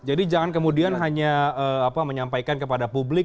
jadi jangan kemudian hanya menyampaikan kepada publik